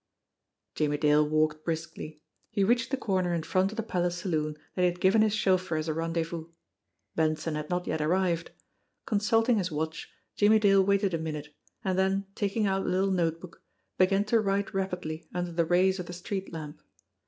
Jimmie Dale walked briskly. He reached the corner in front of the Palace Saloon that he had given his chauffeur as a rendezvous. Benson had not yet arrived. Consulting his watch, Jimmie Dale waited a minute, and then taking out a little notebook began to write rapidly under the rays of the street lamp.